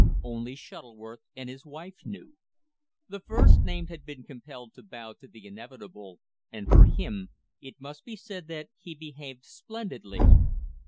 Only Shuttleworth and his wife knew. The first named had been compelled to bow to the inevitable, and for him, it must be said that he behaved splendidly.